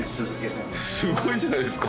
すごいじゃないですか。